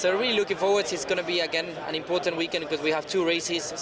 jadi saya sangat menantang ini akan menjadi musim yang penting karena kita memiliki dua perhubungan